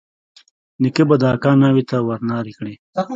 نيکه به د اکا ناوې ته ورنارې کړې.